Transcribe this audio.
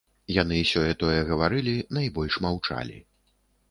Яны сёе-тое гаварылі, найбольш маўчалі.